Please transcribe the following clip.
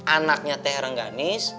anaknya teh rengganis